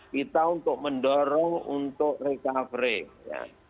kita untuk mendorong untuk recovery ya